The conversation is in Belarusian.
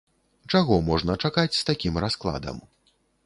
Чаго можна чакаць з такім раскладам?